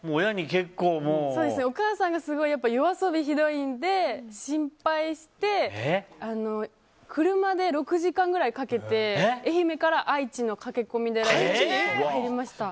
お母さんが、すごい夜遊びがひどいんで心配して車で６時間くらいかけて愛媛から愛知の駆け込み寺に入りました。